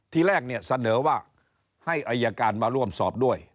ทีแรกเนี่ยเสนอว่าให้อายการมาร่วมสอบด้วย